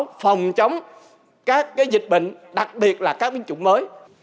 các phân tích dự báo phòng chống các dịch bệnh đặc biệt là các bình chủng mới